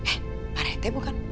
eh pak rete bukan